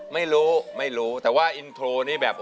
ไม่รู้ไม่รู้แต่ว่าอินโทรนี่แบบ